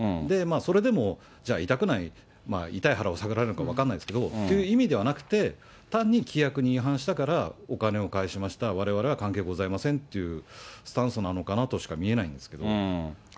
それでも、じゃあ痛くない、痛い腹を探られるのか分からないですけど、という意味ではなくて、単に規約に違反したからお金を返しました、われわれは関係ございませんというスタンスなのかなとしか見えないんですけど。